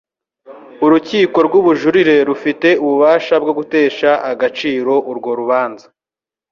urukiko rw ubujurire rufite ububasha bwogutesha agaciro urwo rubanza